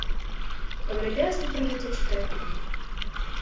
Падрабязна пра гэта чытай тут.